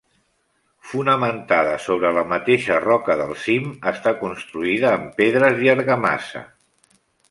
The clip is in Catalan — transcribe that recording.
Fonamentada sobre la mateixa roca del cim, està construïda amb pedres i argamassa.